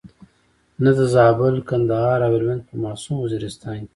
نه د زابل، کندهار او هلمند په معصوم وزیرستان کې.